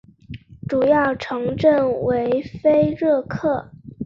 主要城镇为菲热克。